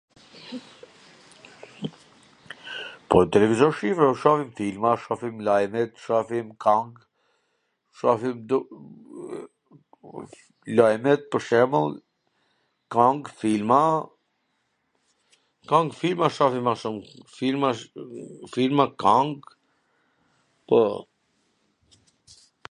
Po n televizor shofim filma shofim lajmet shofim kang, shofim lajmet pwr shembull, kang, filma, kang filma shofim ma shum, filma, kang, po...